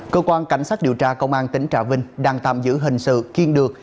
cơ quan cảnh sát điều tra công an tỉnh trà vinh đang tạm giữ hình sự kiên được